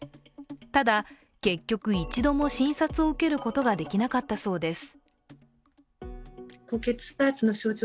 ただ結局、一度も診察を受けることができなかったそうです。